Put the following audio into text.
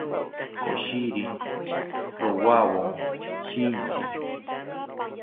Koshiri rowawo shintzi